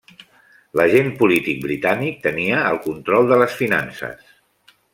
L'agent polític britànic tenia el control de les finances.